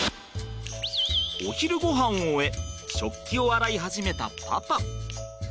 お昼ごはんを終え食器を洗い始めたパパ。